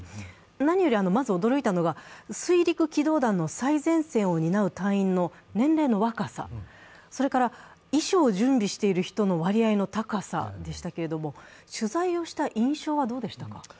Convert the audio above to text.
何よりまず驚いたのは、水陸機動団の最前線を担う隊員の年齢の若さ、それから遺書を準備している人の割合の高さでしたが取材をした印象はどうでしたか？